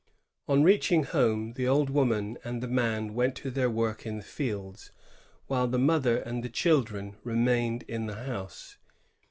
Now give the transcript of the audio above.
On reaching home, the old woman and the man went to their work in the fields, while the mother and chil dren remained in the house.